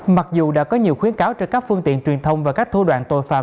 mặc dù đã có nhiều khuyến cáo trên các phương tiện truyền thông và các thô đoạn tội phạm